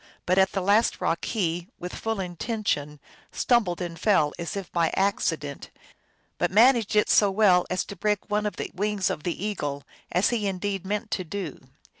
But at the last rock he, with full intention, stumbled and fell as if by accident, yet managed it so well as to break one of the wings of the eagle, as he indeed meant to do.